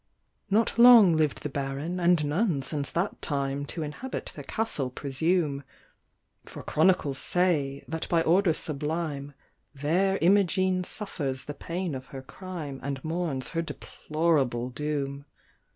Not long lived the Baron, and none since that time To inhabit the castle presume; For chronicles say, that by order sublime, There Imogene suffers the pain of her crime, And mourns her deplorable doom.